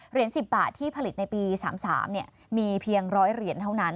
๑๐บาทที่ผลิตในปี๓๓มีเพียง๑๐๐เหรียญเท่านั้น